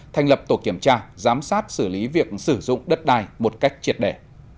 thành lập tổ kiểm tra giám sát xử lý việc sử dụng đất đai một cách triệt đề